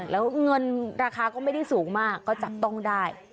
แล้วเงินราคาก็ไม่ได้สูงมากก็จับต้องได้